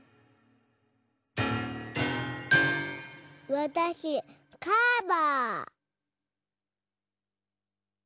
わたしカバ。